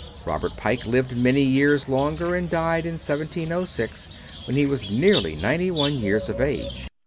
Robert Pike lived many years longer, and died in 1706, when he was nearly ninety one years of age.